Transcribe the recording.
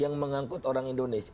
yang mengangkut orang indonesia